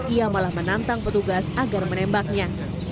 ia malah menantang petugas agar menembaknya